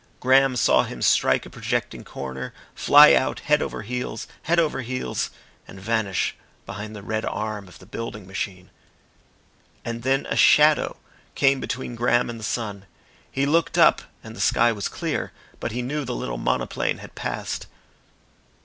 Graham saw him strike a projecting corner, fly out, head over heels, head over heels, and vanish behind the red arm of the building machine. And then a shadow came between Graham and the sun. He looked up and the sky was clear, but he knew the little monoplane had passed.